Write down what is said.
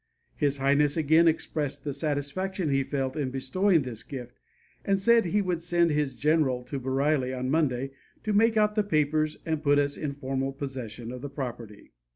His Highness again expressed the satisfaction he felt in bestowing this gift, and said he would send his general to Bareilly on Monday to make out the papers and put us in formal possession of the property."